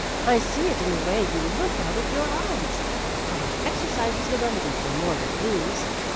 I see it in the way you look out of your eyes. Come, exercise is the remedy for morbid blues."